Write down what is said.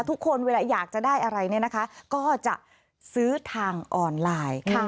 ทุกคนเวลาอยากจะได้อะไรก็จะซื้อทางออนไลน์